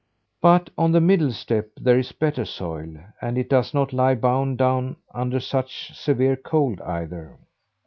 But on the middle step there is better soil, and it does not lie bound down under such severe cold, either.